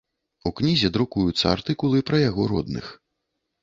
У кнізе друкуюцца артыкулы пра яго родных.